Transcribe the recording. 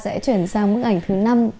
sẽ chuyển sang bức ảnh thứ năm